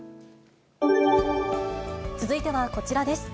続いてはこちらです。